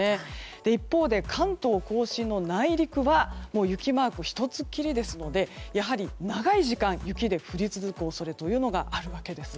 一方で関東・甲信の内陸は雪マーク１つきりですのでやはり長い時間、雪が降り続く恐れがあるわけです。